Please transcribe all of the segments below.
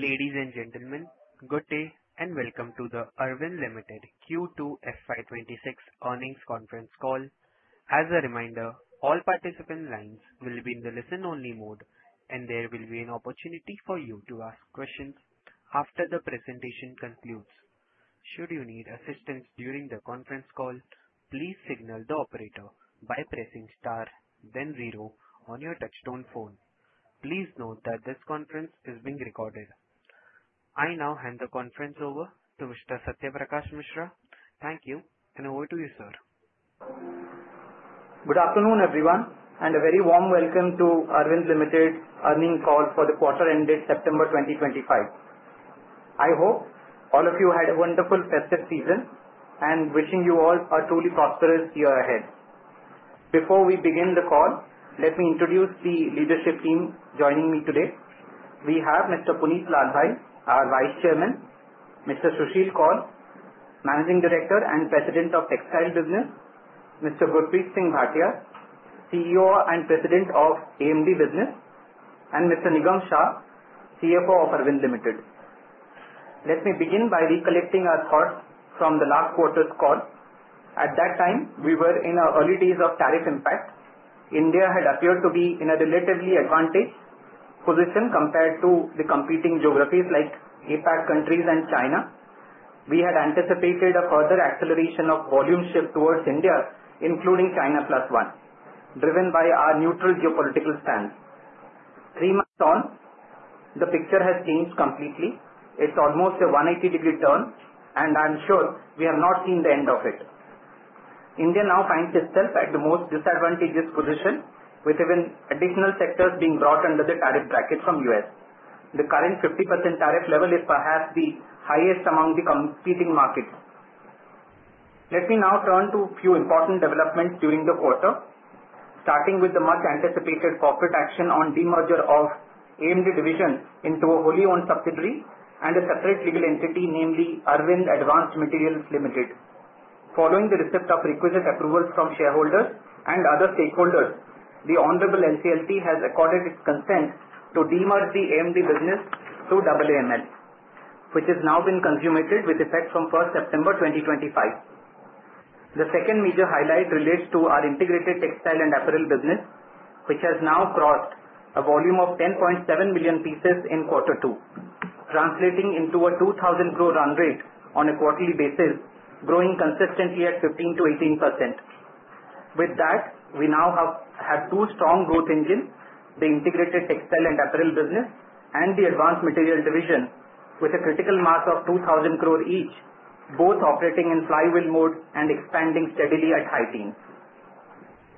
Ladies and gentlemen, good day and welcome to the Arvind Ltd Q2 FY26 earnings conference call. As a reminder, all participant lines will be in the listen-only mode, and there will be an opportunity for you to ask questions after the presentation concludes. Should you need assistance during the conference call, please signal the operator by pressing star, then zero on your touch-tone phone. Please note that this conference is being recorded. I now hand the conference over to Mr. Satya Prakash Mishra. Thank you, and over to you, sir. Good afternoon, everyone, and a very warm welcome to Arvind Ltd earnings call for the quarter ended September 2025. I hope all of you had a wonderful festive season, and wishing you all a truly prosperous year ahead. Before we begin the call, let me introduce the leadership team joining me today. We have Mr. Punit Lalbhai, our Vice Chairman; Mr. Susheel Kaul, Managing Director and President of Textile Business; Mr. Gurpreet Singh Bhatia, CEO and President of AMD Business; and Mr. Nigam Shah, CFO of Arvind Ltd. Let me begin by recollecting our thoughts from the last quarter's call. At that time, we were in our early days of tariff impact. India had appeared to be in a relatively advantageous position compared to the competing geographies like APAC countries and China. We had anticipated a further acceleration of volume shift towards India, including China plus one, driven by our neutral geopolitical stance. Three months on, the picture has changed completely. It's almost a 180-degree turn, and I'm sure we have not seen the end of it. India now finds itself at the most disadvantageous position, with even additional sectors being brought under the tariff bracket from the U.S. The current 50% tariff level is perhaps the highest among the competing markets. Let me now turn to a few important developments during the quarter, starting with the much-anticipated corporate action on demerger of AMD division into a wholly-owned subsidiary and a separate legal entity, namely Arvind Advanced Materials Ltd. Following the receipt of requisite approvals from shareholders and other stakeholders, the Honorable NCLT has accorded its consent to demerge the AMD business through AAML, which has now been consummated with effect from 1st September 2025. The second major highlight relates to our integrated textile and apparel business, which has now crossed a volume of 10.7 million pieces in quarter two, translating into a 20% growth run rate on a quarterly basis, growing consistently at 15%-18%. With that, we now have had two strong growth engines, the integrated textile and apparel business and the advanced material division, with a critical mass of 2,000 crore each, both operating in flywheel mode and expanding steadily at high teens.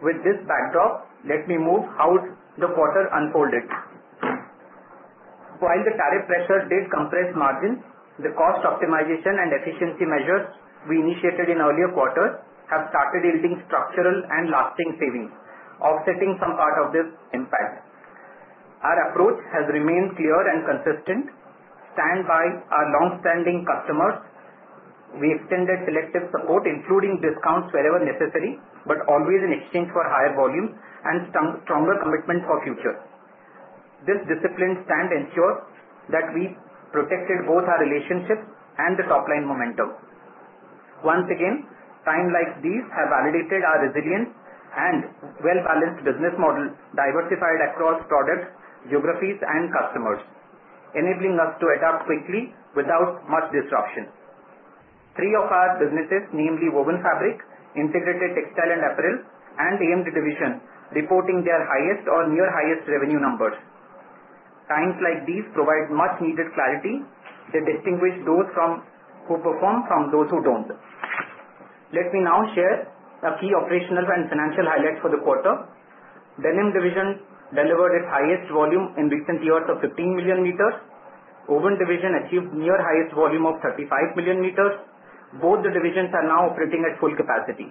With this backdrop, let me move to how the quarter unfolded. While the tariff pressure did compress margins, the cost optimization and efficiency measures we initiated in earlier quarters have started yielding structural and lasting savings, offsetting some part of this impact. Our approach has remained clear and consistent. Stand by our longstanding customers. We extended selective support, including discounts wherever necessary, but always in exchange for higher volumes and stronger commitment for future. This disciplined stand ensures that we protected both our relationships and the top line momentum. Once again, times like these have validated our resilience and well-balanced business model diversified across products, geographies, and customers, enabling us to adapt quickly without much disruption. Three of our businesses, namely Woven Fabric, Integrated Textile and Apparel, and AMD division, reporting their highest or near-highest revenue numbers. Times like these provide much-needed clarity to distinguish those who perform from those who don't. Let me now share a key operational and financial highlight for the quarter. Denim division delivered its highest volume in recent years of 15 million meters. Woven division achieved near-highest volume of 35 million meters. Both the divisions are now operating at full capacity.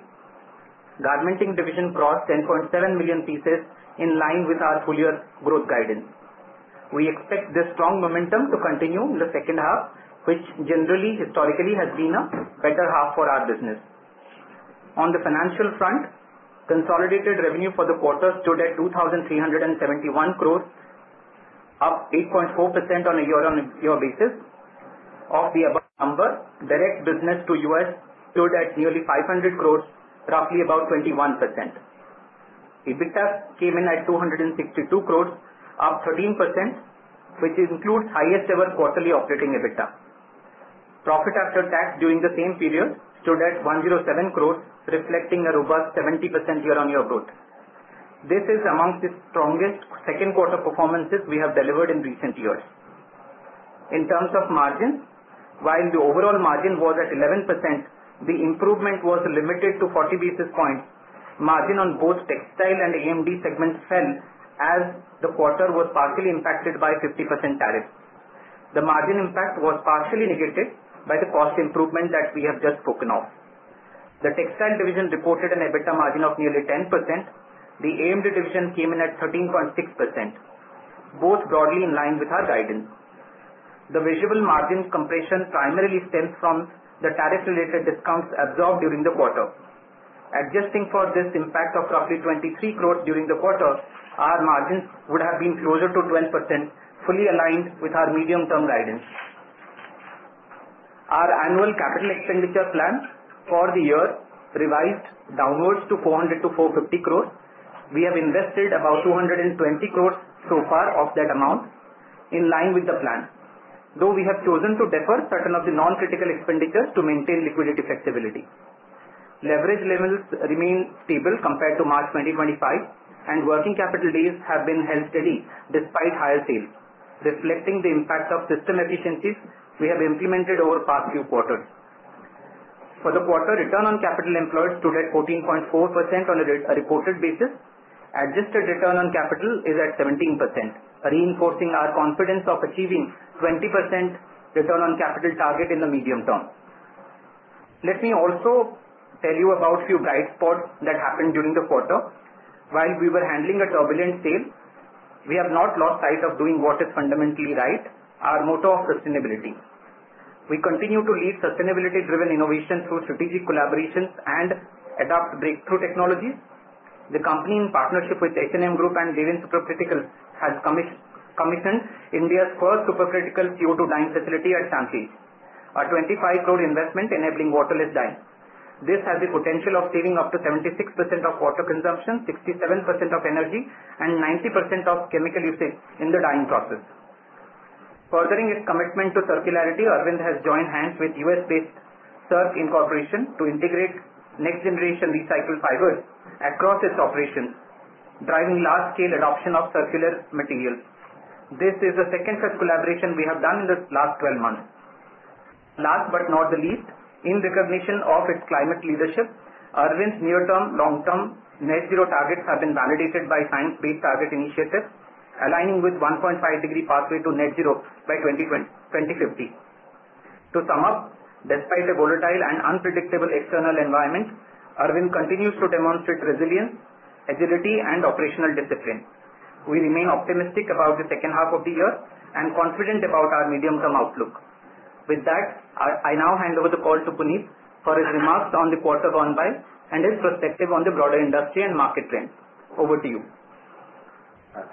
Garmenting division crossed 10.7 million pieces in line with our full year growth guidance. We expect this strong momentum to continue in the second half, which generally historically has been a better half for our business. On the financial front, consolidated revenue for the quarter stood at 2,371 crore, up 8.4% on a year-on-year basis. Of the above number, direct business to U.S. stood at nearly 500 crore, roughly about 21%. EBITDA came in at 262 crore, up 13%, which includes highest-ever quarterly operating EBITDA. Profit after tax during the same period stood at 107 crore, reflecting a robust 70% year-on-year growth. This is among the strongest second quarter performances we have delivered in recent years. In terms of margins, while the overall margin was at 11%, the improvement was limited to 40 basis points. Margin on both textile and AMD segments fell as the quarter was partially impacted by 50% tariff. The margin impact was partially negated by the cost improvement that we have just spoken of. The textile division reported an EBITDA margin of nearly 10%. The AMD division came in at 13.6%, both broadly in line with our guidance. The residual margin compression primarily stems from the tariff-related discounts absorbed during the quarter. Adjusting for this impact of roughly 23 crore during the quarter, our margins would have been closer to 12%, fully aligned with our medium-term guidance. Our annual capital expenditure plan for the year revised downwards to 400-450 crore. We have invested about 220 crore so far of that amount in line with the plan, though we have chosen to defer certain of the non-critical expenditures to maintain liquidity flexibility. Leverage levels remain stable compared to March 2025, and working capital days have been held steady despite higher sales, reflecting the impact of system efficiencies we have implemented over past few quarters. For the quarter, return on capital employed stood at 14.4% on a reported basis. Adjusted return on capital is at 17%, reinforcing our confidence of achieving 20% return on capital target in the medium term. Let me also tell you about a few bright spots that happened during the quarter. While we were handling a turbulent sale, we have not lost sight of doing what is fundamentally right, our motto of sustainability. We continue to lead sustainability-driven innovation through strategic collaborations and adopt breakthrough technologies. The company, in partnership with H&M Group and Deven Supercriticals, has commissioned India's first supercritical CO2 dyeing facility at Shamshi, a 25 crore investment enabling waterless dyeing. This has the potential of saving up to 76% of water consumption, 67% of energy, and 90% of chemical usage in the dyeing process. Furthering its commitment to circularity, Arvind has joined hands with US-based Circ Inc. to integrate next-generation recycled fibers across its operations, driving large-scale adoption of circular materials. This is the second such collaboration we have done in the last 12 months. Last but not the least, in recognition of its climate leadership, Arvind's near-term, long-term net zero targets have been validated by Science Based Targets initiative, aligning with 1.5-degree pathway to net zero by 2050. To sum up, despite a volatile and unpredictable external environment, Arvind continues to demonstrate resilience, agility, and operational discipline. We remain optimistic about the second half of the year and confident about our medium-term outlook. With that, I now hand over the call to Punit for his remarks on the quarter gone by and his perspective on the broader industry and market trends. Over to you.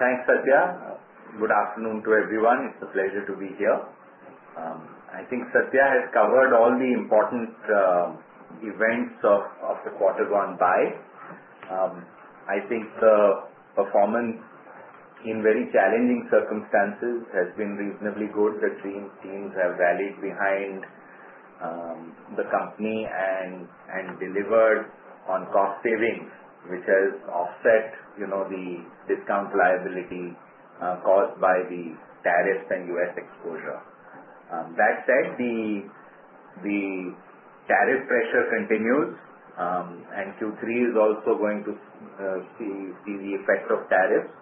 Thanks, Satya. Good afternoon to everyone. It's a pleasure to be here. I think Satya has covered all the important events of the quarter gone by. I think the performance in very challenging circumstances has been reasonably good. The green teams have rallied behind the company and delivered on cost savings, which has offset the discount liability caused by the tariffs and U.S. exposure. That said, the tariff pressure continues, and Q3 is also going to see the effect of tariffs,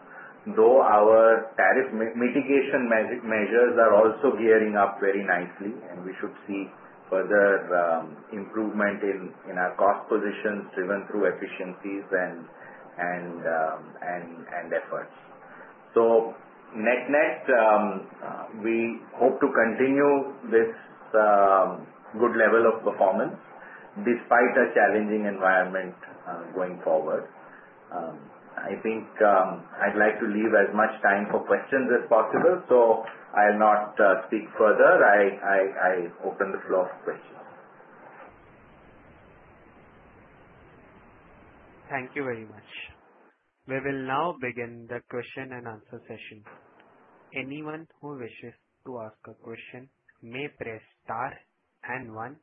though our tariff mitigation measures are also gearing up very nicely, and we should see further improvement in our cost positions driven through efficiencies and efforts. So net net, we hope to continue this good level of performance despite a challenging environment going forward. I think I'd like to leave as much time for questions as possible, so I'll not speak further. I open the floor for questions. Thank you very much. We will now begin the question and answer session. Anyone who wishes to ask a question may press star and one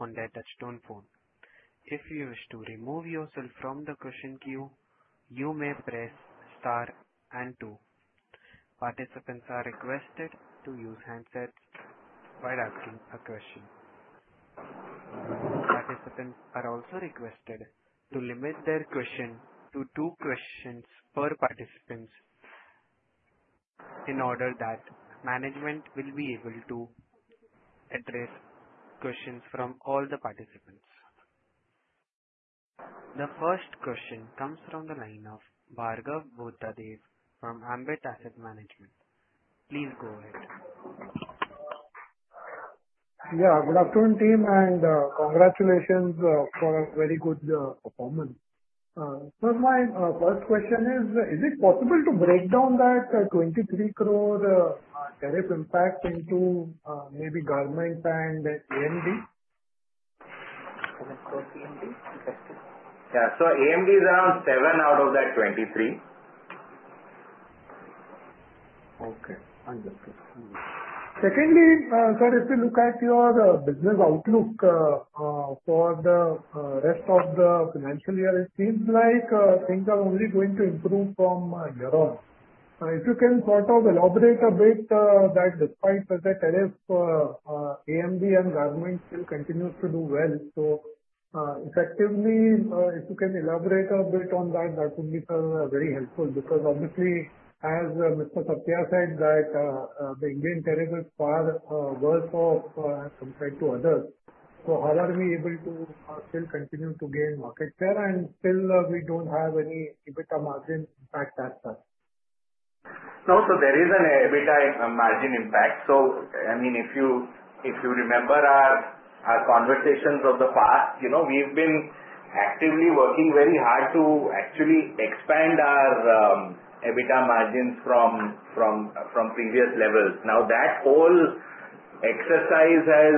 on their touch-tone phone. If you wish to remove yourself from the question queue, you may press star and two. Participants are requested to use handsets while asking a question. Participants are also requested to limit their question to two questions per participant in order that management will be able to address questions from all the participants. The first question comes from the line of Bhargav Buddhadev from Ambit Asset Management. Please go ahead. Yeah, good afternoon, team, and congratulations for a very good performance. First, my first question is, is it possible to break down that 23 crore tariff impact into maybe garment and AMD? Yeah, so AMD is around seven out of that 23. Okay, understood. Secondly, sir, if you look at your business outlook for the rest of the financial year, it seems like things are only going to improve from year on. If you can sort of elaborate a bit that despite the tariff, AMD and garment still continues to do well. So effectively, if you can elaborate a bit on that, that would be very helpful because obviously, as Mr. Satya said, that the Indian tariff is far worse compared to others. So how are we able to still continue to gain market share and still we don't have any EBITDA margin impact as such? No, so there is an EBITDA margin impact. So I mean, if you remember our conversations of the past, we've been actively working very hard to actually expand our EBITDA margins from previous levels. Now, that whole exercise has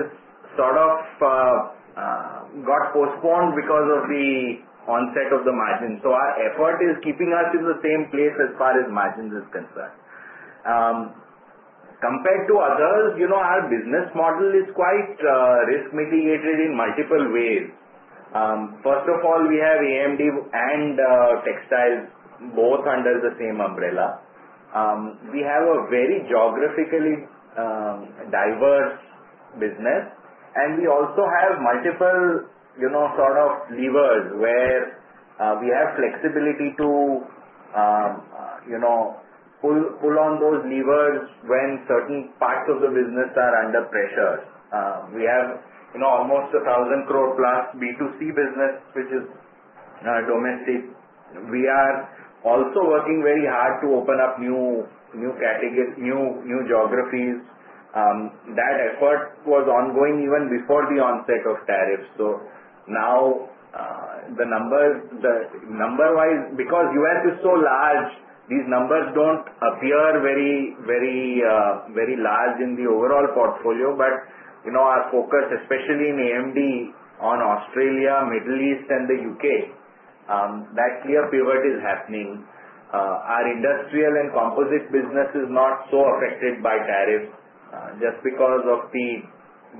sort of got postponed because of the onset of the margins. So our effort is keeping us in the same place as far as margins are concerned. Compared to others, our business model is quite risk mitigated in multiple ways. First of all, we have AMD and textiles both under the same umbrella. We have a very geographically diverse business, and we also have multiple sort of levers where we have flexibility to pull on those levers when certain parts of the business are under pressure. We have almost 1,000 crore plus B2C business, which is domestic. We are also working very hard to open up new geographies. That effort was ongoing even before the onset of tariffs. So now, the number-wise, because U.S. is so large, these numbers don't appear very large in the overall portfolio, but our focus, especially in AMD, on Australia, Middle East, and the U.K., that clear pivot is happening. Our industrial and composite business is not so affected by tariffs just because of the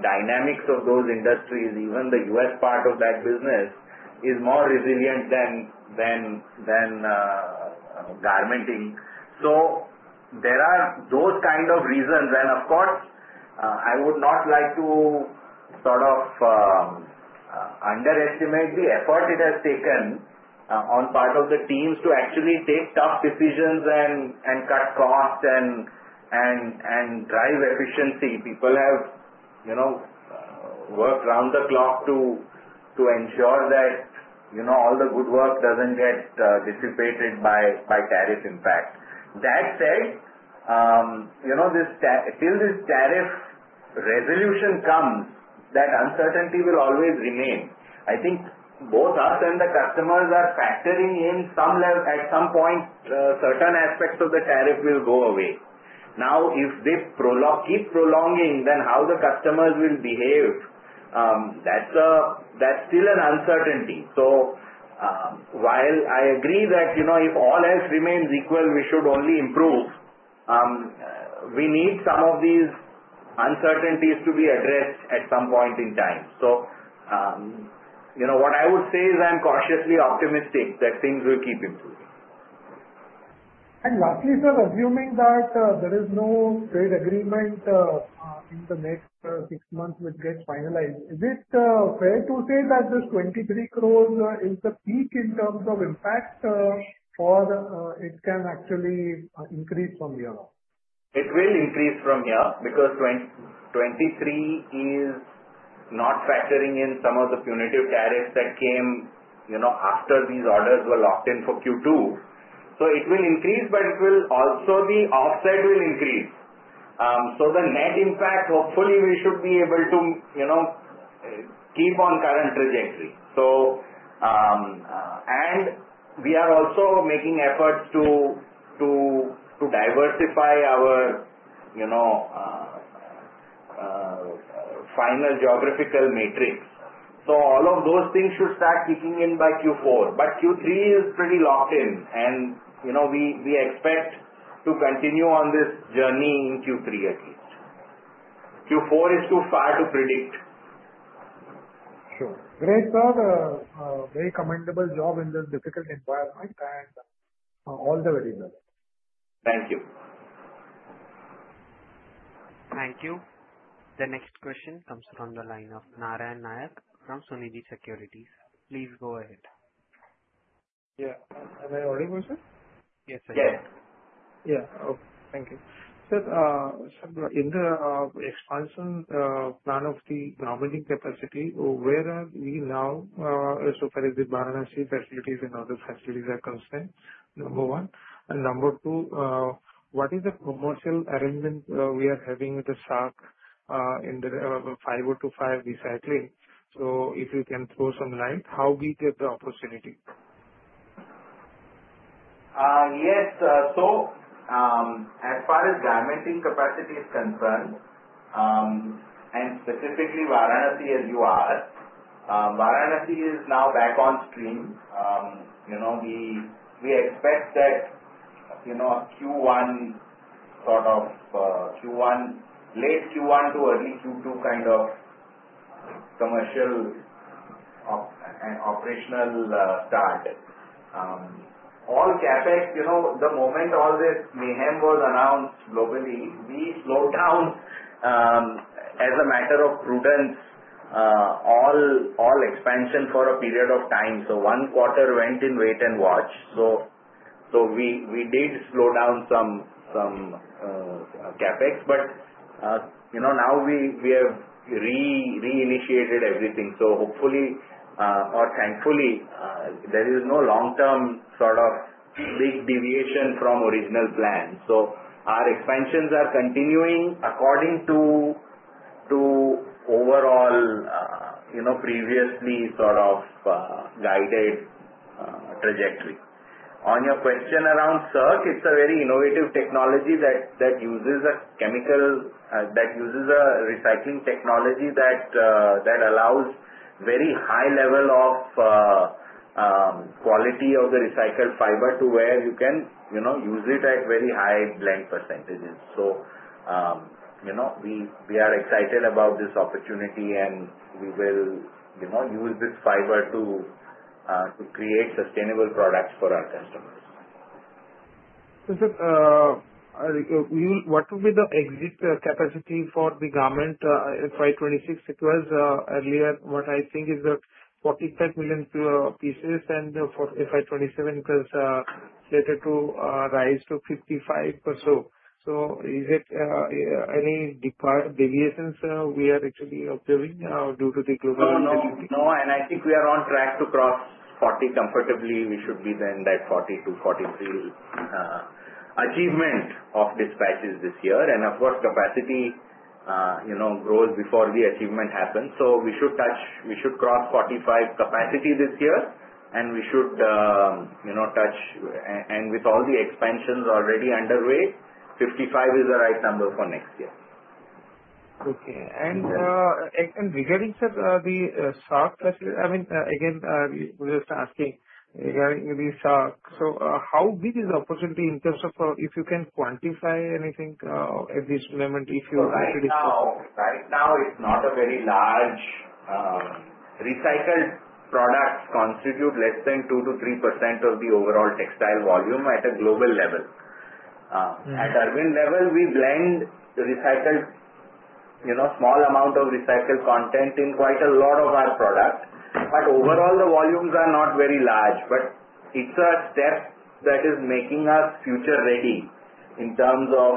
dynamics of those industries. Even the U.S. part of that business is more resilient than garmenting. So there are those kinds of reasons. And of course, I would not like to sort of underestimate the effort it has taken on part of the teams to actually take tough decisions and cut costs and drive efficiency. People have worked round the clock to ensure that all the good work doesn't get dissipated by tariff impact. That said, till this tariff resolution comes, that uncertainty will always remain. I think both us and the customers are factoring in at some point certain aspects of the tariff will go away. Now, if they keep prolonging, then how the customers will behave, that's still an uncertainty. So while I agree that if all else remains equal, we should only improve, we need some of these uncertainties to be addressed at some point in time. So what I would say is I'm cautiously optimistic that things will keep improving. Lastly, sir, assuming that there is no trade agreement in the next six months which gets finalized, is it fair to say that this 23 crore is the peak in terms of impact or it can actually increase from here on? It will increase from here because 23 is not factoring in some of the punitive tariffs that came after these orders were locked in for Q2. So it will increase, but it will also, the offset will increase. So the net impact, hopefully, we should be able to keep on current trajectory, and we are also making efforts to diversify our final geographical matrix. So all of those things should start kicking in by Q4, but Q3 is pretty locked in, and we expect to continue on this journey in Q3 at least. Q4 is too far to predict. Sure. Great, sir. Very commendable job in this difficult environment, and all the very best. Thank you. Thank you. The next question comes from the line of Narayan Nayak from Sunidhi Securities. Please go ahead. Yeah. Am I audible, sir? Yes, sir. Thank you. Sir, in the expansion plan of the garmenting capacity, where are we now as far as the barn and sheep facilities and other facilities are concerned? Number one. And number two, what is the commercial arrangement we are having with the Circ in the 5025 recycling? So if you can throw some light, how we get the opportunity? Yes. So as far as garmenting capacity is concerned, and specifically Varanasi as you are, Varanasi is now back on stream. We expect that a Q1 sort of late Q1 to early Q2 kind of commercial and operational start. All CapEx, the moment all this mayhem was announced globally, we slowed down as a matter of prudence all expansion for a period of time. So one quarter went in wait and watch. So we did slow down some CapEx, but now we have reinitiated everything. So hopefully, or thankfully, there is no long-term sort of big deviation from original plan. So our expansions are continuing according to overall previously sort of guided trajectory. On your question around Circ, it's a very innovative technology that uses a chemical recycling technology that allows very high level of quality of the recycled fiber to where you can use it at very high blend percentages. So we are excited about this opportunity, and we will use this fiber to create sustainable products for our customers. So sir, what will be the exit capacity for the garment FY26? It was earlier what I think is 45 million pieces, and FY27 was slated to rise to 55 or so. So is it any deviations we are actually observing due to the global? No, and I think we are on track to cross 40 comfortably. We should be in that 40-43 achievement of dispatches this year. And of course, capacity grows before the achievement happens. So we should cross 45 capacity this year, and we should touch, and with all the expansions already underway, 55 is the right number for next year. Okay. And regarding sir, the Circ facility, I mean, again, we're just asking regarding the Circ. So how big is the opportunity in terms of if you can quantify anything at this moment if you actually? Right now, it's not a very large. Recycled products constitute less than 2-3% of the overall textile volume at a global level. At Arvind level, we blend a small amount of recycled content in quite a lot of our products, but overall, the volumes are not very large. But it's a step that is making us future-ready in terms of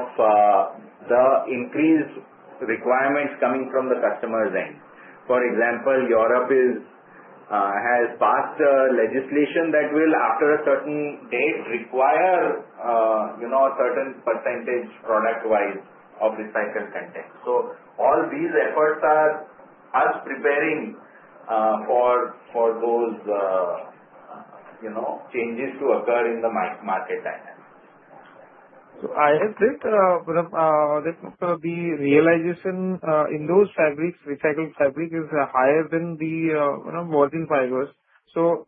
the increased requirements coming from the customer's end. For example, Europe has passed legislation that will, after a certain date, require a certain percentage product-wise of recycled content. So all these efforts are preparing us for those changes to occur in the market dynamics. I have read that the realization in those fabrics, recycled fabric, is higher than the woven fibers.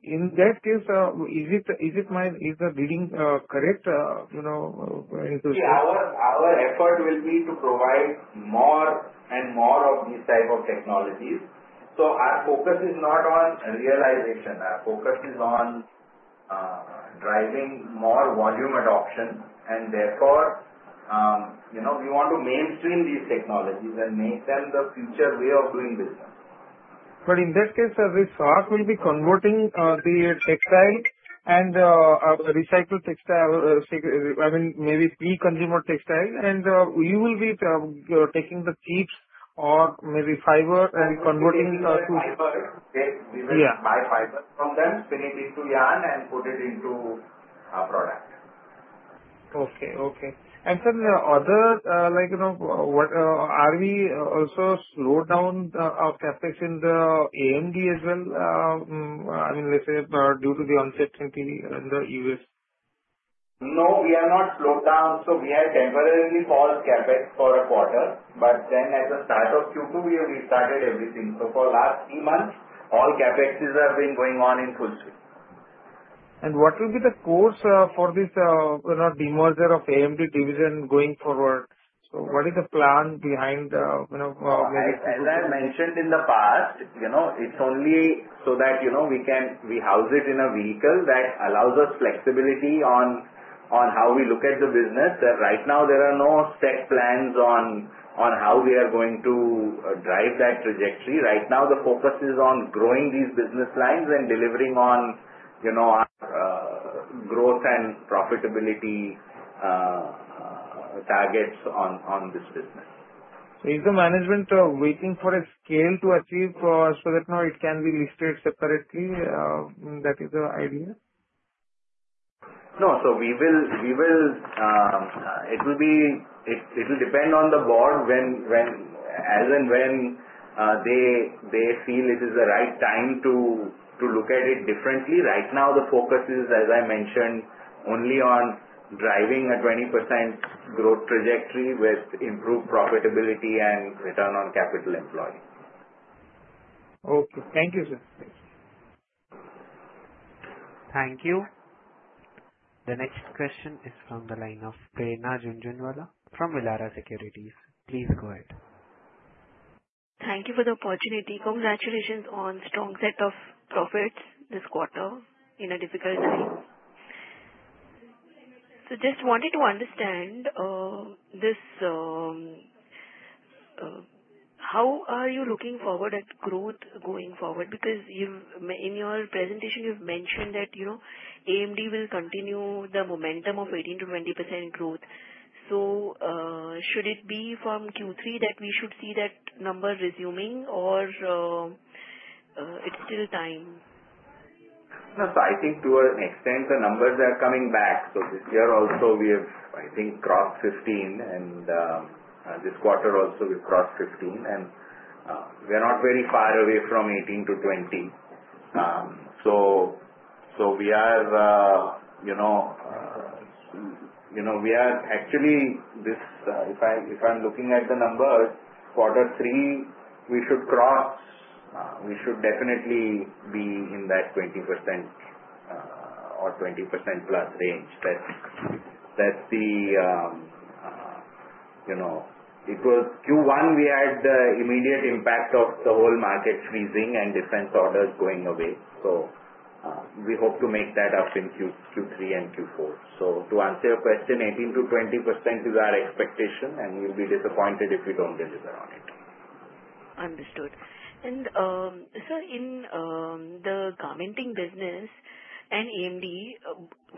In that case, is the realization correct? Our effort will be to provide more and more of these types of technologies. So our focus is not on realization. Our focus is on driving more volume adoption, and therefore, we want to mainstream these technologies and make them the future way of doing business. But in that case, the Circ will be converting the textile and recycled textile, I mean, maybe pre-consumer textile, and we will be taking the chips or maybe fiber and converting to. We will buy fiber from them, spin it into yarn and put it into a product. Okay. And sir, are we also slowed down our CapEx in the AMD as well? I mean, let's say due to the uncertainty in the U.S. No, we are not slowed down. So we have temporarily paused CapEx for a quarter, but then at the start of Q2, we restarted everything. So for the last three months, all CapEx is going on in full stream. What will be the course for this demerger of AMD division going forward? What is the plan behind? As I mentioned in the past, it's only so that we can house it in a vehicle that allows us flexibility on how we look at the business. Right now, there are no set plans on how we are going to drive that trajectory. Right now, the focus is on growing these business lines and delivering on our growth and profitability targets on this business. Is the management waiting for a scale to achieve so that it can be listed separately? That is the idea? No. So, it will depend on the board as and when they feel it is the right time to look at it differently. Right now, the focus is, as I mentioned, only on driving a 20% growth trajectory with improved profitability and Return on Capital Employed. Okay. Thank you, sir. Thank you. The next question is from the line of Prerna Jhunjhunwala from Elara Capital. Please go ahead. Thank you for the opportunity. Congratulations on a strong set of profits this quarter in a difficult time. So just wanted to understand how are you looking forward at growth going forward? Because in your presentation, you've mentioned that AMD will continue the momentum of 18%-20% growth. So should it be from Q3 that we should see that number resuming, or it's still time? No, so I think to an extent, the numbers are coming back. So this year also, we have, I think, crossed 15%, and this quarter also, we've crossed 15%, and we are not very far away from 18%-20%. So we are actually, if I'm looking at the numbers, quarter three we should cross. We should definitely be in that 20% or 20% plus range. That's it. It was Q1, we had the immediate impact of the whole market freezing and defense orders going away. So we hope to make that up in Q3 and Q4. So to answer your question, 18%-20% is our expectation, and we'll be disappointed if we don't deliver on it. Understood. And sir, in the garmenting business and AMD,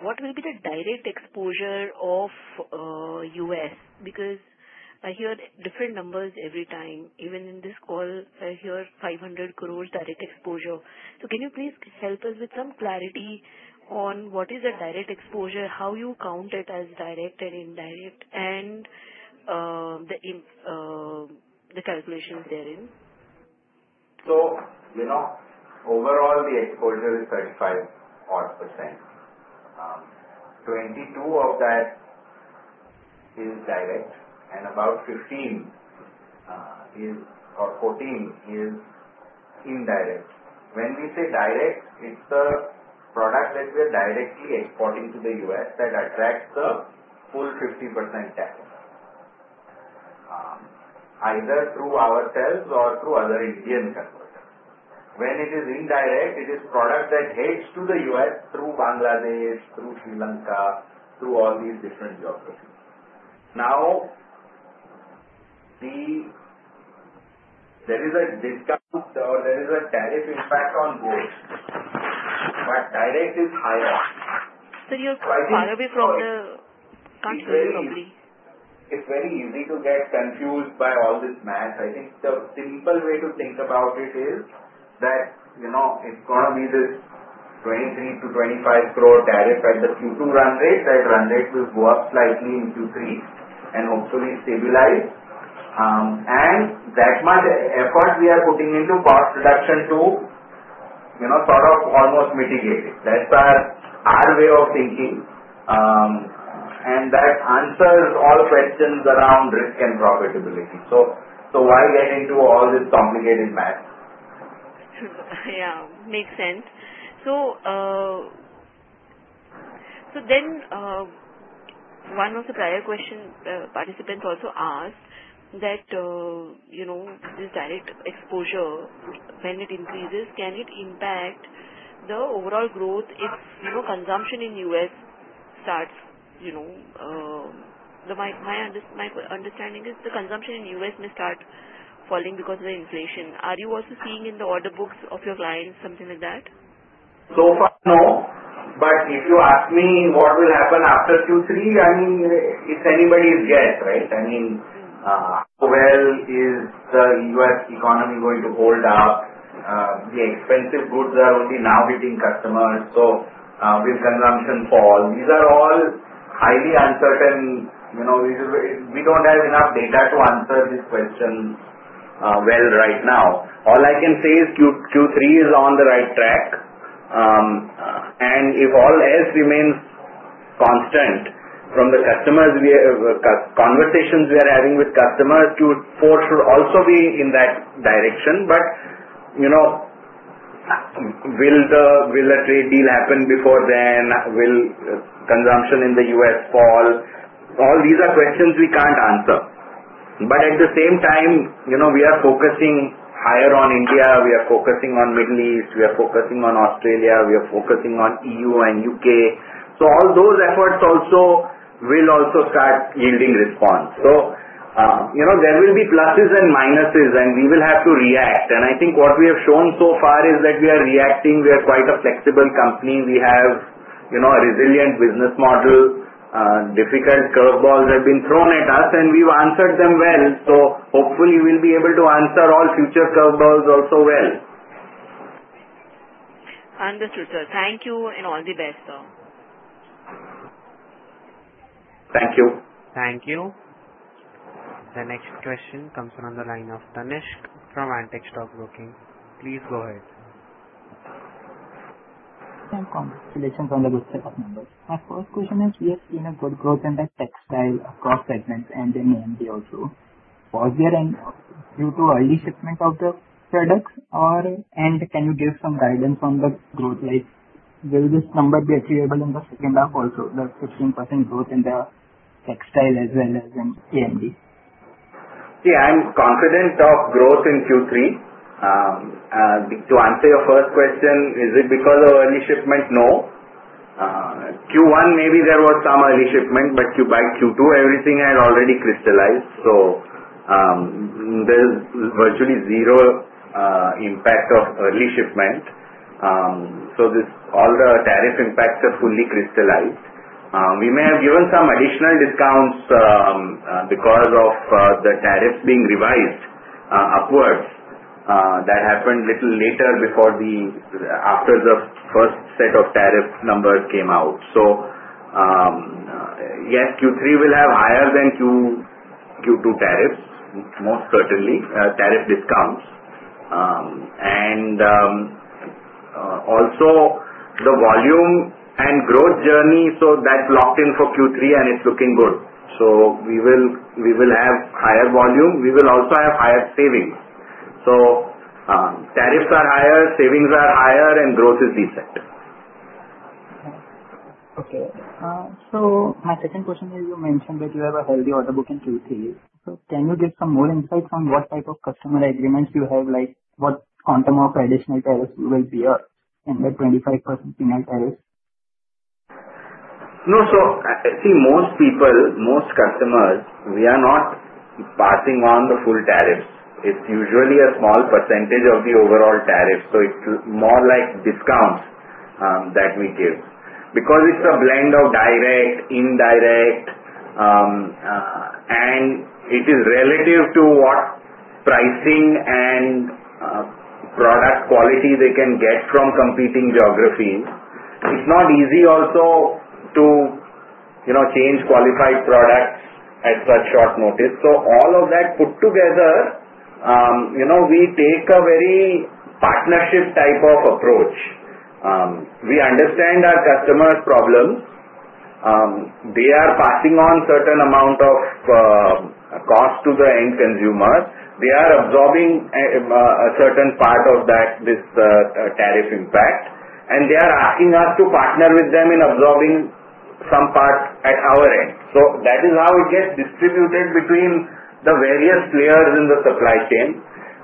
what will be the direct exposure of U.S.? Because I hear different numbers every time. Even in this call, I hear 500 crore direct exposure. So can you please help us with some clarity on what is the direct exposure, how you count it as direct and indirect, and the calculations therein? So overall, the exposure is 35% odd. 22 of that is direct, and about 15 or 14 is indirect. When we say direct, it's the product that we are directly exporting to the U.S. that attracts the full 50% target, either through ourselves or through other Indian converters. When it is indirect, it is product that heads to the U.S. through Bangladesh, through Sri Lanka, through all these different geographies. Now, there is a discount or there is a tariff impact on growth, but direct is higher. You're far away from the country globally. It's very easy to get confused by all this math. I think the simple way to think about it is that it's going to be this 23-25 crore tariff at the Q2 run rate. That run rate will go up slightly in Q3 and hopefully stabilize. And that much effort we are putting into cost reduction to sort of almost mitigate it. That's our way of thinking, and that answers all questions around risk and profitability. So why get into all this complicated math? Yeah. Makes sense. So then one of the prior question participants also asked that this direct exposure, when it increases, can it impact the overall growth if consumption in U.S. starts? My understanding is the consumption in U.S. may start falling because of the inflation. Are you also seeing in the order books of your clients something like that? So far, no. But if you ask me what will happen after Q3, I mean, it's anybody's guess, right? I mean, how well is the U.S. economy going to hold up? The expensive goods are only now hitting customers, so will consumption fall? These are all highly uncertain. We don't have enough data to answer these questions well right now. All I can say is Q3 is on the right track, and if all else remains constant from the conversations we are having with customers, Q4 should also be in that direction. But will a trade deal happen before then? Will consumption in the U.S. fall? All these are questions we can't answer. But at the same time, we are focusing higher on India. We are focusing on Middle East. We are focusing on Australia. We are focusing on E.U. and U.K. So all those efforts will also start yielding response. So there will be pluses and minuses, and we will have to react. And I think what we have shown so far is that we are reacting. We are quite a flexible company. We have a resilient business model. Difficult curveballs have been thrown at us, and we've answered them well. So hopefully, we'll be able to answer all future curveballs also well. Understood, sir. Thank you, and all the best, sir. Thank you. Thank you. The next question comes from the line of Tanishk from Antique Stock Broking. Please go ahead. Congratulations on the good set of numbers. My first question is, we have seen a good growth in the textile across segments and in AMD also. Was there any due to early shipment of the products, or can you give some guidance on the growth? Will this number be achievable in the second half also, the 15% growth in the textile as well as in AMD? Yeah, I'm confident of growth in Q3. To answer your first question, is it because of early shipment? No. Q1, maybe there was some early shipment, but by Q2, everything had already crystallized. So there's virtually zero impact of early shipment. So all the tariff impacts are fully crystallized. We may have given some additional discounts because of the tariffs being revised upwards. That happened a little later after the first set of tariff numbers came out. So yes, Q3 will have higher than Q2 tariffs, most certainly tariff discounts. And also, the volume and growth journey, so that's locked in for Q3, and it's looking good. So we will have higher volume. We will also have higher savings. So tariffs are higher, savings are higher, and growth is decent. Okay. So my second question is, you mentioned that you have a healthy order book in Q3. So can you give some more insights on what type of customer agreements you have, like what quantum of additional tariffs will be in the 25% final tariff? No, so see, most people, most customers, we are not passing on the full tariffs. It's usually a small percentage of the overall tariff. So it's more like discounts that we give because it's a blend of direct, indirect, and it is relative to what pricing and product quality they can get from competing geographies. It's not easy also to change qualified products at such short notice. So all of that put together, we take a very partnership type of approach. We understand our customers' problems. They are passing on a certain amount of cost to the end consumer. They are absorbing a certain part of that tariff impact, and they are asking us to partner with them in absorbing some part at our end. So that is how it gets distributed between the various players in the supply chain,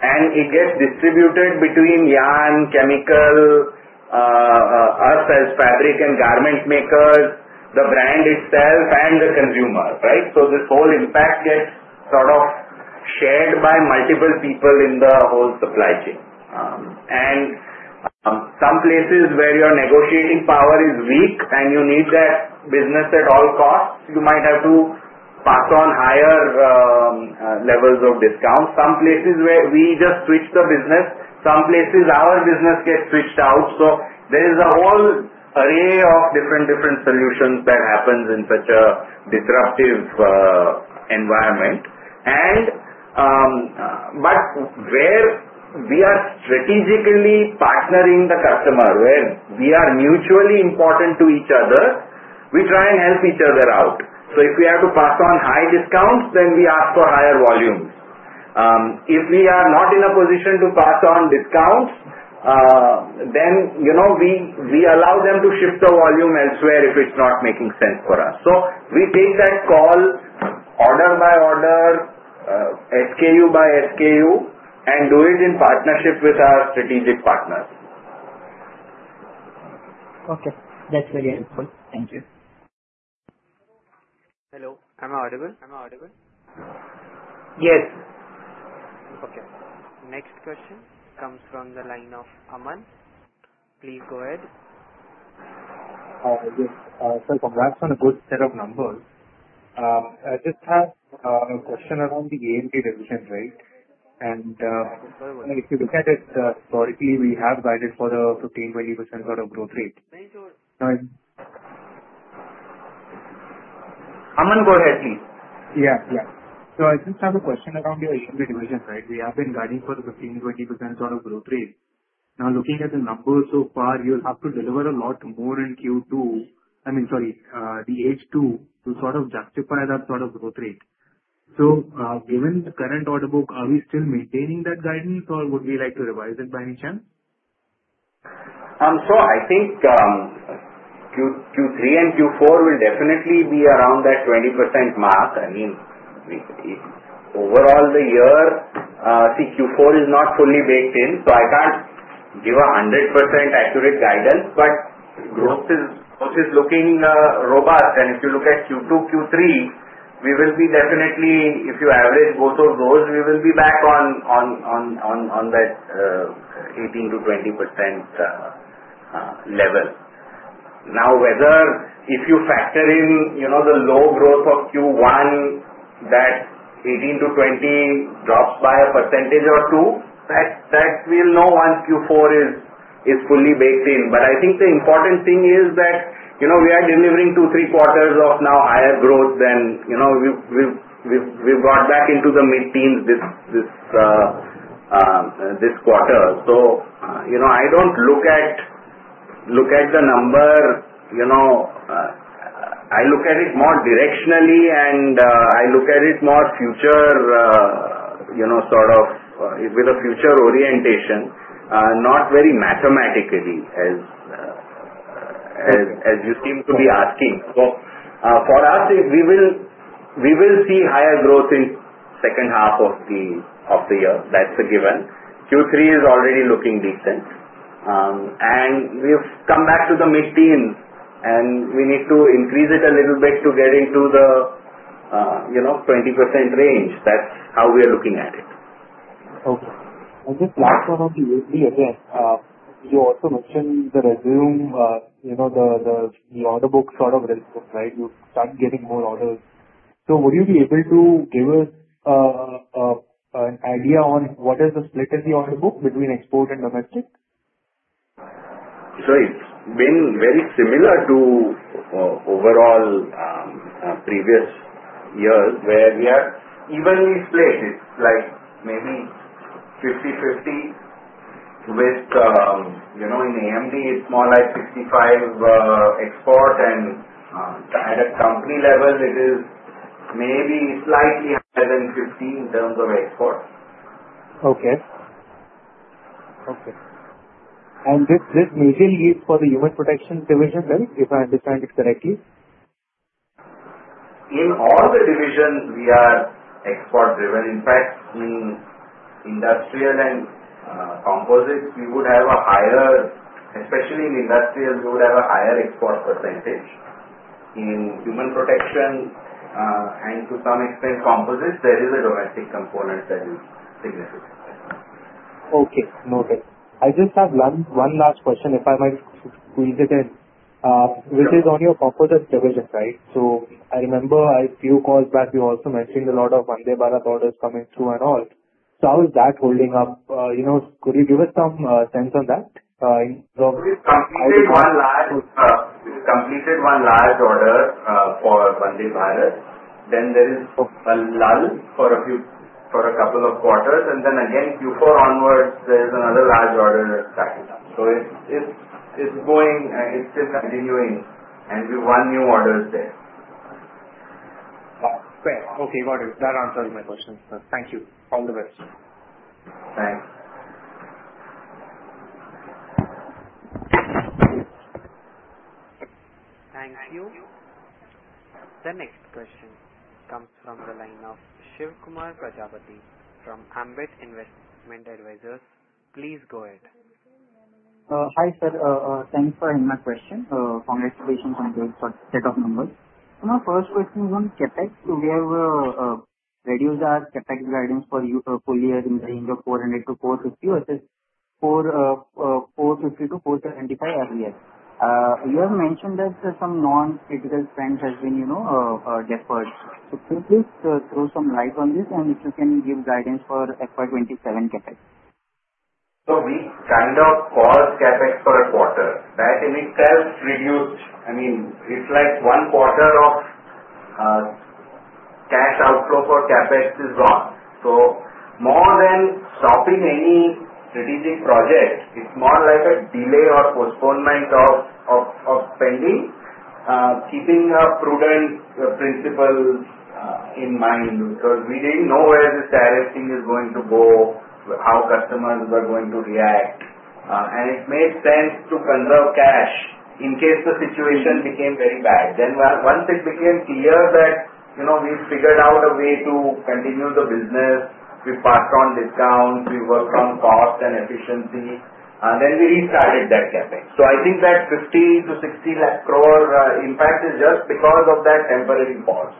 and it gets distributed between yarn, chemical, us as fabric and garment makers, the brand itself, and the consumer, right? So this whole impact gets sort of shared by multiple people in the whole supply chain. And some places where your negotiating power is weak and you need that business at all costs, you might have to pass on higher levels of discounts. Some places where we just switch the business, some places our business gets switched out. So there is a whole array of different solutions that happens in such a disruptive environment. But where we are strategically partnering the customer, where we are mutually important to each other, we try and help each other out. So if we have to pass on high discounts, then we ask for higher volumes. If we are not in a position to pass on discounts, then we allow them to shift the volume elsewhere if it's not making sense for us. So we take that call order by order, SKU by SKU, and do it in partnership with our strategic partners. Okay. That's very helpful. Thank you. Hello. I'm audible. Yes. Okay. Next question comes from the line of Aman. Please go ahead. Yes. So from that, from a good set of numbers, I just have a question around the AMD division, right? And if you look at it historically, we have guided for the 15%-20% sort of growth rate. Aman, go ahead, please. Yeah. Yeah. So I just have a question around your AMD division, right? We have been guiding for the 15%-20% sort of growth rate. Now, looking at the numbers so far, you'll have to deliver a lot more in Q2. I mean, sorry, the H2 to sort of justify that sort of growth rate. So given the current order book, are we still maintaining that guidance, or would we like to revise it by any chance? I think Q3 and Q4 will definitely be around that 20% mark. I mean, overall, the year see, Q4 is not fully baked in, so I can't give a 100% accurate guidance, but growth is looking robust. And if you look at Q2, Q3, we will be definitely, if you average both of those, we will be back on that 18%-20% level. Now, whether if you factor in the low growth of Q1, that 18%-20% drops by a percentage or two, that we'll know once Q4 is fully baked in. But I think the important thing is that we are delivering two, three quarters of now higher growth than we've got back into the mid-teens this quarter. So I don't look at the number. I look at it more directionally, and I look at it more future sort of with a future orientation, not very mathematically as you seem to be asking. So for us, we will see higher growth in the second half of the year. That's a given. Q3 is already looking decent, and we've come back to the mid-teens, and we need to increase it a little bit to get into the 20% range. That's how we are looking at it. Okay. And just last one on the AMD, again, you also mentioned the resumption, the order book sort of resumption, right? You start getting more orders. So would you be able to give us an idea on what is the split in the order book between export and domestic? It's been very similar to overall previous years where we are evenly split. It's like maybe 50/50 within AMD. It's more like 65% export, and at a company level, it is maybe slightly higher than 50% in terms of export. Okay. Okay. And this may be a need for the human protection division, right, if I understand it correctly? In all the divisions, we are export-driven. In fact, in industrial and composites, we would have a higher export percentage, especially in industrial. In human protection and to some extent composites, there is a domestic component that is significant. Okay. Noted. I just have one last question, if I may squeeze it in, which is on your composite division, right? So I remember a few calls back, you also mentioned a lot of Vande Bharat orders coming through and all. So how is that holding up? Could you give us some sense on that? We completed one large order for Vande Bharat. Then there is rail for a couple of quarters. And then again, Q4 onwards, there is another large order starting now. So it's still continuing, and we have one new order there. Okay. Got it. That answers my question. Thank you. All the best. Thanks. Thank you. The next question comes from the line of Shiv Kumar Prajapati from Abakkus Asset Manager LLP. Please go ahead. Hi, sir. Thanks for my question. Congratulations on the set of numbers. So my first question is on CapEx. We have reduced our CapEx guidance for full year in the range of 400-450 versus 450-475 every year. You have mentioned that some non-critical trends have been deferred. So could you please throw some light on this and if you can give guidance for FY 2027 CapEx? So we kind of paused CapEx for a quarter. That in itself reduced, I mean, it's like one quarter of cash outflow for CapEx is gone. So more than stopping any strategic project, it's more like a delay or postponement of spending, keeping prudent principles in mind because we didn't know where this tariff thing is going to go, how customers were going to react. And it made sense to conserve cash in case the situation became very bad. Then once it became clear that we figured out a way to continue the business, we passed on discounts, we worked on cost and efficiency, then we restarted that CapEx. So I think that 50-60 crore impact is just because of that temporary pause.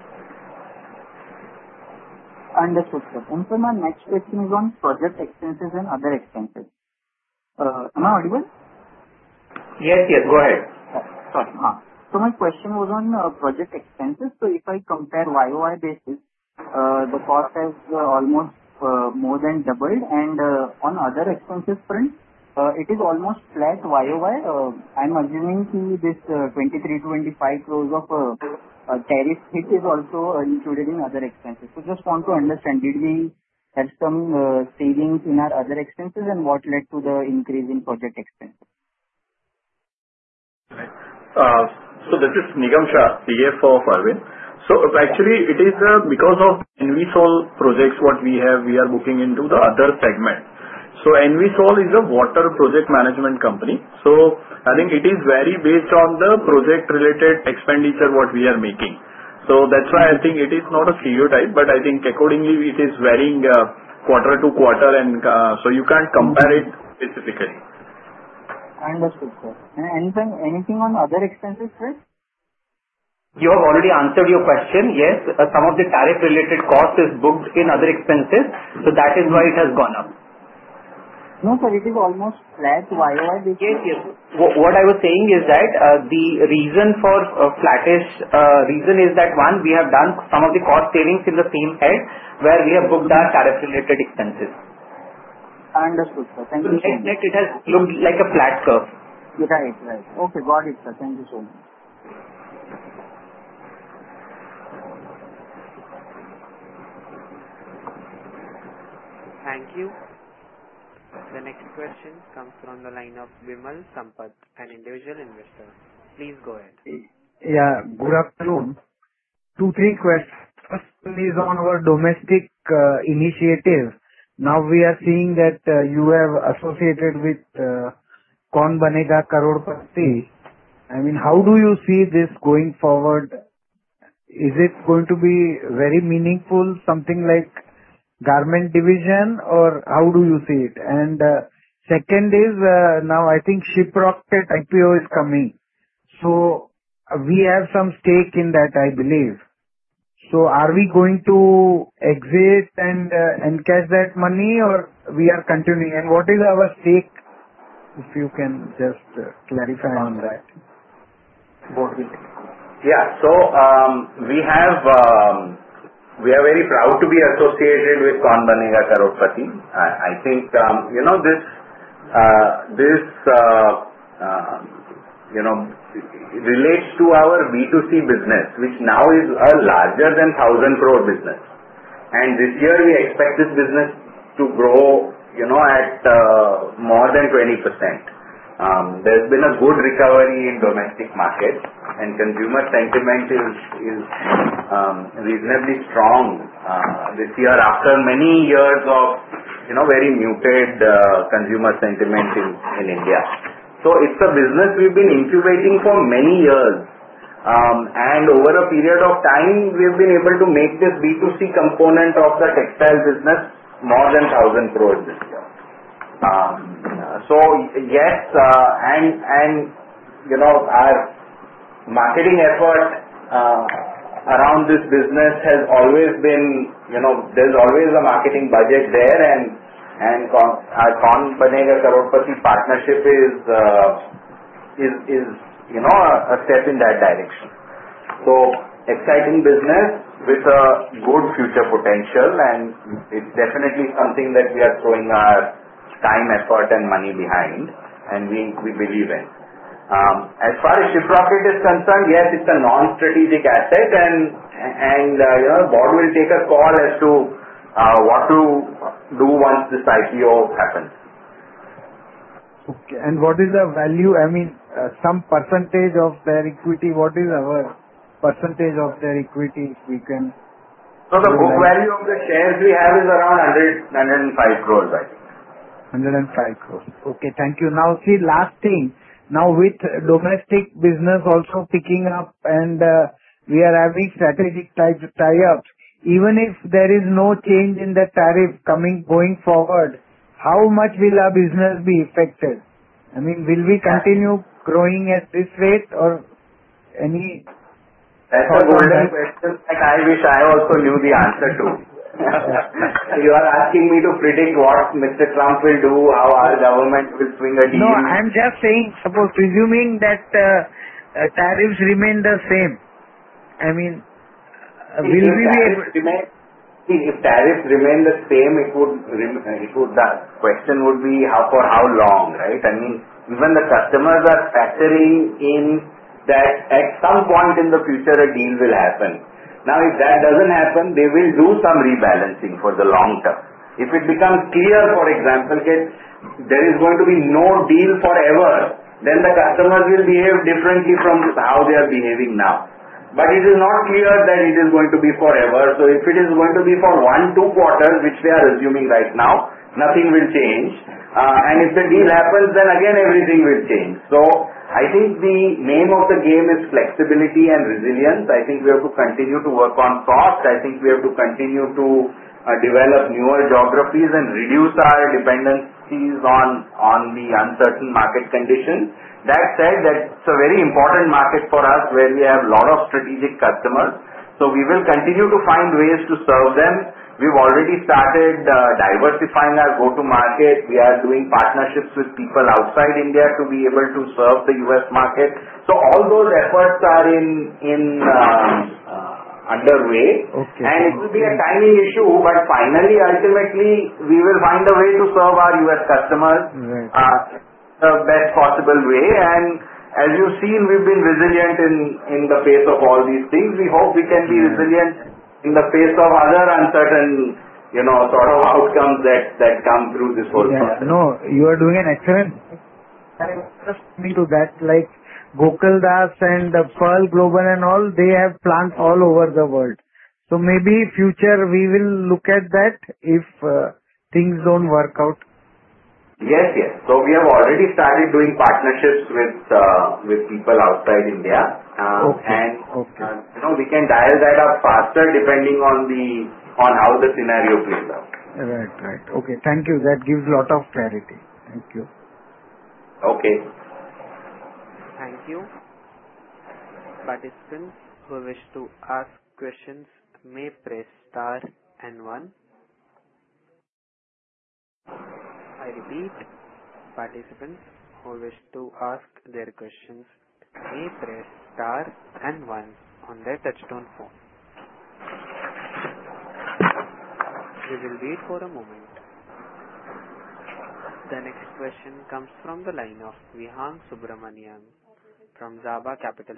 Understood, sir. And so my next question is on project expenses and other expenses. Am I audible? Yes, yes. Go ahead. Sorry. So my question was on project expenses. So if I compare YOY basis, the cost has almost more than doubled, and on other expenses front, it is almost flat YOY. I'm assuming this 23-25 crores tariff hit is also included in other expenses. So just want to understand, did we have some savings in our other expenses, and what led to the increase in project expenses? This is Nigam Shah, PA for Farwin. Actually, it is because of ENVISOL projects what we have, we are booking into the other segment. ENVISOL is a water project management company. I think it is very based on the project-related expenditure what we are making. That's why I think it is not a stereotype, but I think accordingly it is varying quarter to quarter, and so you can't compare it specifically. Understood, sir. Anything on other expenses, sir? You have already answered your question. Yes, some of the tariff-related cost is booked in other expenses, so that is why it has gone up. No, sir, it is almost flat YOY basis. Yes, yes. What I was saying is that the reason for flattish reason is that one, we have done some of the cost savings in the same head where we have booked our tariff-related expenses. Understood, sir. Thank you. It looked like a flat curve. Right, right. Okay. Got it, sir. Thank you so much. Thank you. The next question comes from the line of Vimal Sampath, an individual investor. Please go ahead. Yeah. Good afternoon. Two or three questions on our domestic initiative. Now we are seeing that you have associated with Kaun Banega Crorepati. I mean, how do you see this going forward? Is it going to be very meaningful, something like garment division, or how do you see it? And second is, now I think Shiprocket IPO is coming. So we have some stake in that, I believe. So are we going to exit and encash that money, or we are continuing? And what is our stake, if you can just clarify on that? Yeah. So we are very proud to be associated with Kaun Banega Crorepati. I think this relates to our B2C business, which now is a larger than 1,000 crore business. And this year, we expect this business to grow at more than 20%. There's been a good recovery in domestic market, and consumer sentiment is reasonably strong this year after many years of very muted consumer sentiment in India. So it's a business we've been incubating for many years. And over a period of time, we have been able to make this B2C component of the textile business more than 1,000 crores this year. So yes, and our marketing effort around this business has always been. There's always a marketing budget there, and our Kaun Banega Crorepati partnership is a step in that direction. So exciting business with a good future potential, and it's definitely something that we are throwing our time, effort, and money behind, and we believe in. As far as Shiprocket is concerned, yes, it's a non-strategic asset, and the board will take a call as to what to do once this IPO happens. Okay. And what is the value? I mean, some percentage of their equity. What is our percentage of their equity if we can? So the book value of the shares we have is around 105 crores, I think. 105 crores. Okay. Thank you. Now, see, last thing. Now, with domestic business also picking up and we are having strategic ties up, even if there is no change in the tariff going forward, how much will our business be affected? I mean, will we continue growing at this rate or any? That's a golden question that I wish I also knew the answer to. You are asking me to predict what Mr. Trump will do, how our government will swing a deal. No, I'm just saying, suppose presuming that tariffs remain the same, I mean, will we be able? See, if tariffs remain the same, the question would be for how long, right? I mean, even the customers are factoring in that at some point in the future, a deal will happen. Now, if that doesn't happen, they will do some rebalancing for the long term. If it becomes clear, for example, that there is going to be no deal forever, then the customers will behave differently from how they are behaving now. But it is not clear that it is going to be forever. So if it is going to be for one to two quarters, which we are assuming right now, nothing will change. And if the deal happens, then again, everything will change. So I think the name of the game is flexibility and resilience. I think we have to continue to work on cost. I think we have to continue to develop newer geographies and reduce our dependencies on the uncertain market conditions. That said, that's a very important market for us where we have a lot of strategic customers. So we will continue to find ways to serve them. We've already started diversifying our go-to-market. We are doing partnerships with people outside India to be able to serve the U.S. market. So all those efforts are underway, and it will be a timing issue, but finally, ultimately, we will find a way to serve our U.S. customers in the best possible way. And as you've seen, we've been resilient in the face of all these things. We hope we can be resilient in the face of other uncertain sort of outcomes that come through this whole process. No, you are doing an excellent job. I was just coming to that. Gokaldas and Pearl Global and all, they have plants all over the world. So maybe future, we will look at that if things don't work out. Yes, yes. So we have already started doing partnerships with people outside India, and we can dial that up faster depending on how the scenario plays out. Right, right. Okay. Thank you. That gives a lot of clarity. Thank you. Thank you. Participants who wish to ask questions may press star and one. I repeat, participants who wish to ask their questions may press star and one on their touchtone phone. We will wait for a moment. The next question comes from the line of Vihang Subramanian from Zaaba Capital.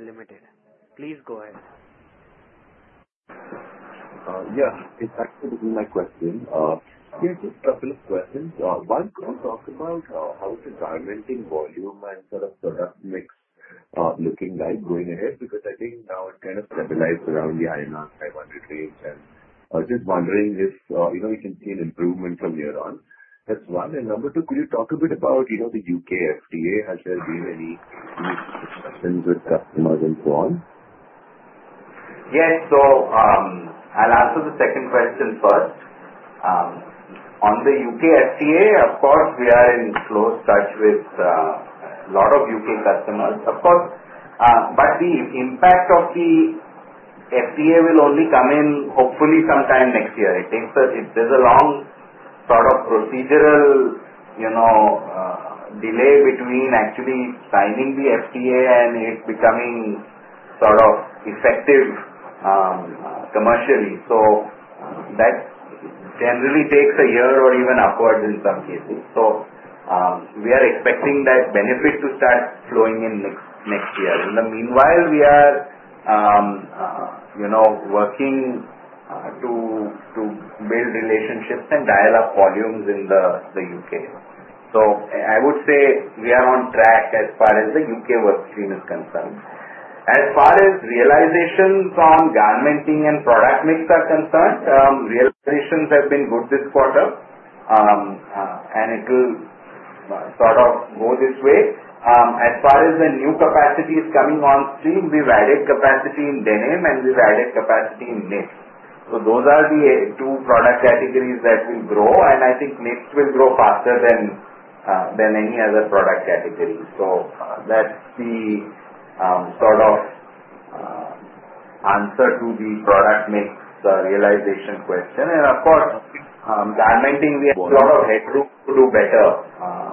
Please go ahead. Yeah. It's actually my question. Here's just a couple of questions. One could talk about how is the garmenting volume and sort of product mix looking like going ahead? Because I think now it kind of stabilized around the INR 500 range, and just wondering if we can see an improvement from here on. That's one. And number two, could you talk a bit about the U.K .Free Trade Agreement? Has there been any discussions with customers and so on? Yes. So I'll answer the second question first. On the UK FTA, of course, we are in close touch with a lot of U.K. customers. Of course, but the impact of the FTA will only come in hopefully sometime next year. It takes a. There's a long sort of procedural delay between actually signing the FTA and it becoming sort of effective commercially. So that generally takes a year or even upwards in some cases. So we are expecting that benefit to start flowing in next year. In the meanwhile, we are working to build relationships and dial up volumes in the U.K. So I would say we are on track as far as the U.K. workstream is concerned. As far as realizations on garmenting and product mix are concerned, realizations have been good this quarter, and it will sort of go this way. As far as the new capacity is coming on stream, we've added capacity in denim, and we've added capacity in knits. Those are the two product categories that will grow, and I think knits will grow faster than any other product category. That's the sort of answer to the product mix realization question. Of course, garmenting, we have a lot of headroom to do better.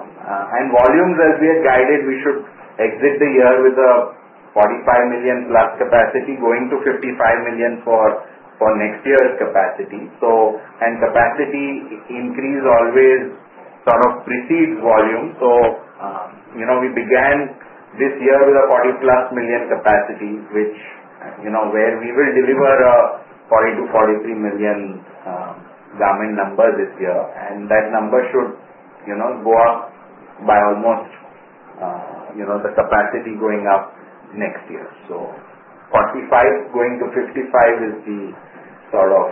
Volumes, as we are guided, we should exit the year with a 45 million plus capacity going to 55 million for next year's capacity. Capacity increase always sort of precedes volume. We began this year with a 40 plus million capacity, which where we will deliver a 40-43 million garment number this year, and that number should go up by almost the capacity going up next year. 45 going to 55 is the sort of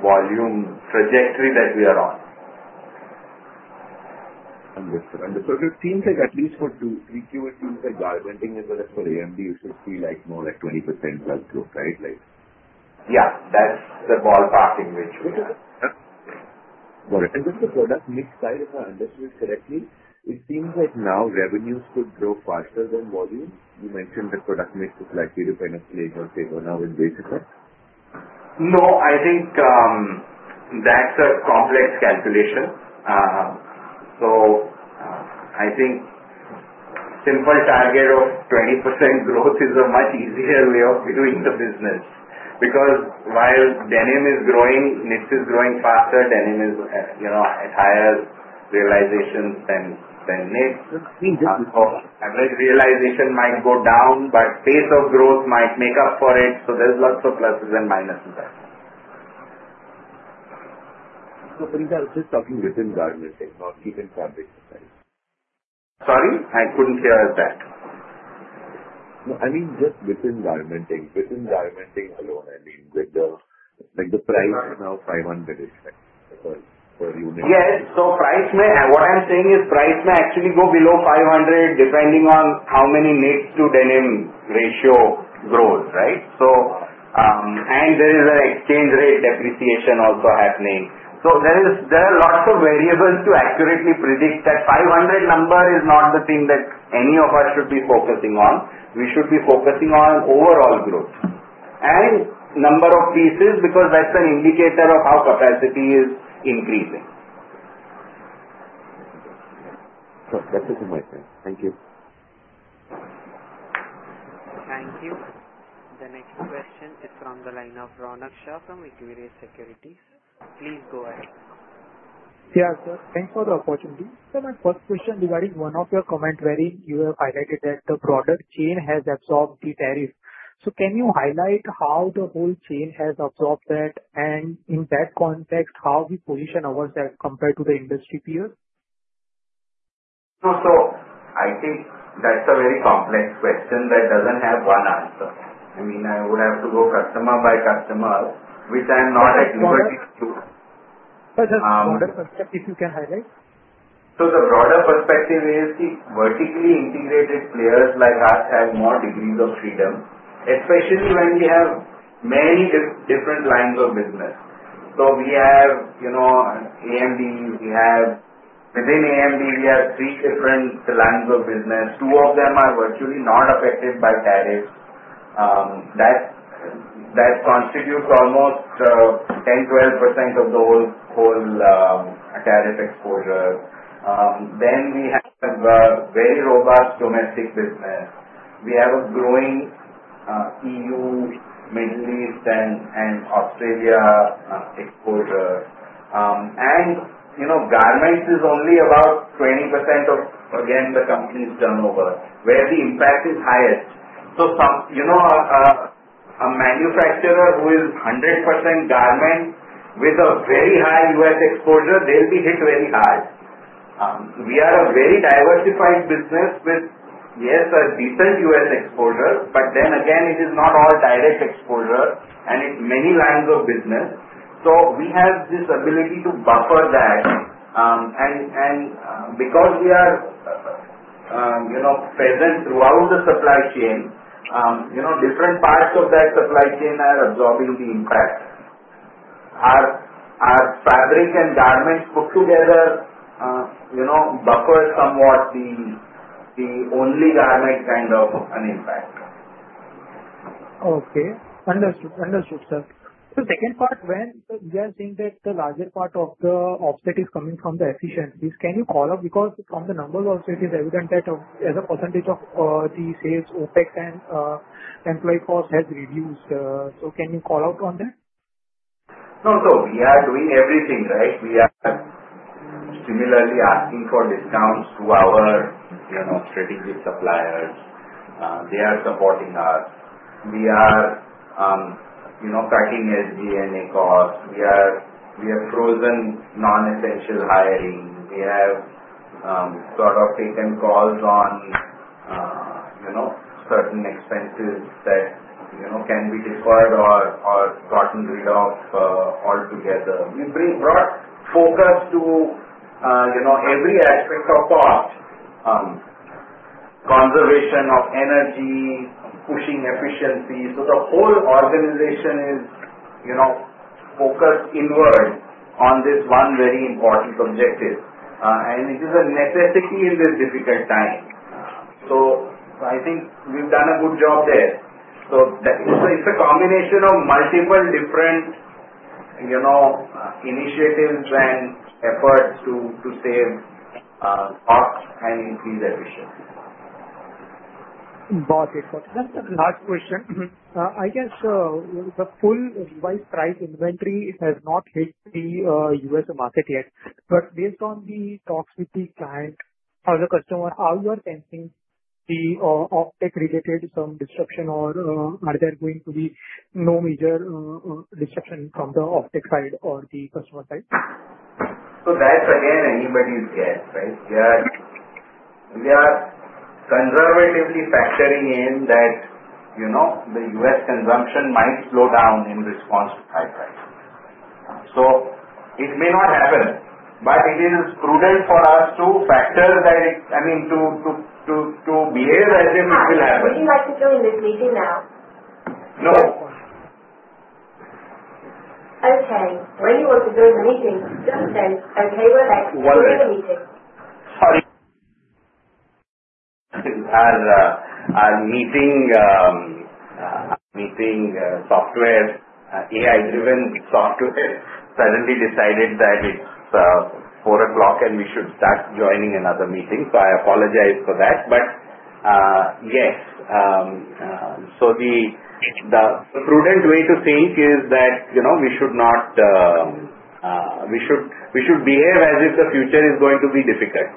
volume trajectory that we are on. Understood, understood. So it seems like at least for two or three quarters, garmenting is going to, for AMD, it should be more like 20% plus growth, right? Yeah. That's the ballpark in which we are. Got it. And just the product mix side, if I understood it correctly, it seems like now revenues could grow faster than volume. You mentioned the product mix is likely to kind of play a favor now with base effect. No, I think that's a complex calculation. So I think simple target of 20% growth is a much easier way of doing the business. Because while denim is growing, knits is growing faster, denim is at higher realizations than knits. So average realization might go down, but pace of growth might make up for it. So there's lots of pluses and minuses out there. So I think I was just talking within garmenting or even fabrics, right? Sorry? I couldn't hear that. No, I mean just within garmenting. Within garmenting alone, I mean with the price now 500 per unit. Yes, so what I'm saying is price may actually go below 500 depending on how many knits to denim ratio grows, right? and there is an exchange rate depreciation also happening, so there are lots of variables to accurately predict that 500 number is not the thing that any of us should be focusing on. We should be focusing on overall growth and number of pieces because that's an indicator of how capacity is increasing. Sure. That's it from my side. Thank you. Thank you. The next question is from the line Raunak Shah from TD Securities. Please go ahead. Yeah, sir. Thanks for the opportunity. So my first question regarding one of your comments wherein you have highlighted that the supply chain has absorbed the tariff. So can you highlight how the whole chain has absorbed that, and in that context, how we position ourselves compared to the industry peers? So I think that's a very complex question that doesn't have one answer. I mean, I would have to go customer by customer, which I am not at liberty to. But just broader perspective, if you can highlight? The broader perspective is the vertically integrated players like us have more degrees of freedom, especially when we have many different lines of business. We have AMD. Within AMD, we have three different lines of business. Two of them are virtually not affected by tariffs. That constitutes almost 10-12% of the whole tariff exposure. We have very robust domestic business. We have a growing EU, Middle East, and Australia exposure. Garments is only about 20% of, again, the company's turnover, where the impact is highest. A manufacturer who is 100% garment with a very high U.S. exposure, they'll be hit very hard. We are a very diversified business with, yes, a decent U.S. exposure, but then again, it is not all direct exposure, and it's many lines of business. We have this ability to buffer that. And because we are present throughout the supply chain, different parts of that supply chain are absorbing the impact. Our fabric and garments put together buffer somewhat the only garment kind of an impact. Okay. Understood, understood, sir. So second part, when we are seeing that the larger part of the offset is coming from the efficiencies, can you call out? Because from the numbers also, it is evident that as a percentage of the sales, OpEx and employee cost has reduced. So can you call out on that? No, so we are doing everything, right? We are similarly asking for discounts to our strategic suppliers. They are supporting us. We are cutting SG&A costs. We have frozen non-essential hiring. We have sort of taken calls on certain expenses that can be deferred or gotten rid of altogether. We've brought focus to every aspect of cost: conservation of energy, pushing efficiency. So the whole organization is focused inward on this one very important objective. And it is a necessity in this difficult time. So I think we've done a good job there. So it's a combination of multiple different initiatives and efforts to save costs and increase efficiency. Got it. Got it. That's a large question. I guess the full revised price inventory, it has not hit the U.S. market yet. But based on the talks with the client or the customer, how you are sensing the OpEx-related some disruption, or are there going to be no major disruption from the OpEx side or the customer side? So that's again anybody's guess, right? We are conservatively factoring in that the U.S. consumption might slow down in response to high prices. So it may not happen, but it is prudent for us to factor that, I mean, to behave as if it will happen. Where would you like to join this meeting now? No. Okay. When you want to join the meeting, just say, "Okay, we're next to join the meeting. Sorry. Our meeting software, AI-driven software, suddenly decided that it's 4 o'clock, and we should start joining another meeting. So I apologize for that. But yes. So the prudent way to think is that we should not—we should behave as if the future is going to be difficult.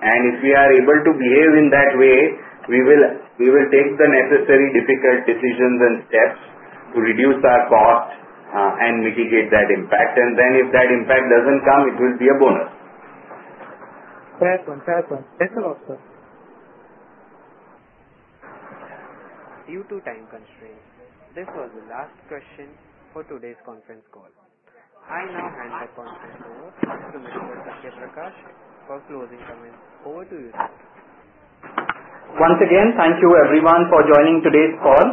And if we are able to behave in that way, we will take the necessary difficult decisions and steps to reduce our cost and mitigate that impact. And then if that impact doesn't come, it will be a bonus. Excellent, excellent. Thank you a lot, sir. Due to time constraints, this was the last question for today's conference call. I now hand the conference over to Mr. Satya Prakash for closing comments. Over to you, sir. Once again, thank you everyone for joining today's call.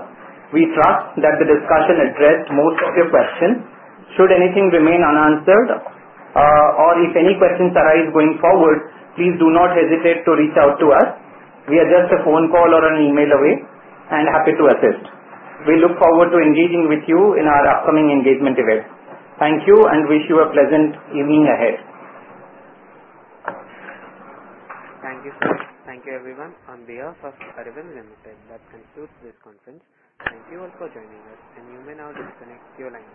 We trust that the discussion addressed most of your questions. Should anything remain unanswered, or if any questions arise going forward, please do not hesitate to reach out to us. We are just a phone call or an email away, and happy to assist. We look forward to engaging with you in our upcoming engagement event. Thank you and wish you a pleasant evening ahead. Thank you, sir. Thank you, everyone. On behalf of Arvind Limited, that concludes this conference. Thank you all for joining us, and you may now disconnect your line.